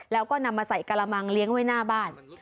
แล้วก็นำมาใส่กระมังเลี้ยงไว้หน้าบ้าน